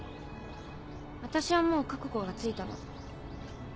わたしはもう覚悟がついたの。